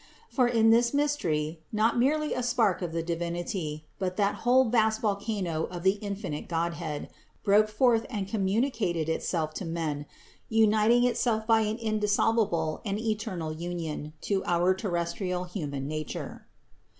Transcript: For in this mystery, not merely a spark of the Divinity, but that whole vast volcano of the infinite God head, broke forth and communicated itself to men, unit ing Itself by an indissoluble and eternal union to our terrestrial human nature.